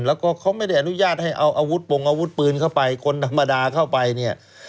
แล้วก็เขาไม่ได้อนุญาตให้เอาอาวุธปงอาวุธปืนเข้าไปคนธรรมดาเข้าไปเนี่ย